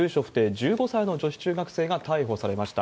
１５歳の女子中学生が逮捕されました。